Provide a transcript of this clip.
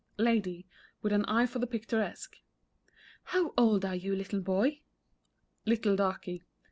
LADY (with an eye for the picturesque). "How old are you, little boy?" LITTLE DARKY.